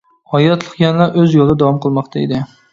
ھاياتلىق يەنىلا ئۆز يولىدا داۋام قىلماقتا ئىدى.